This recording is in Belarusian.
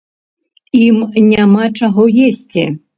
Ім няма чаго есці.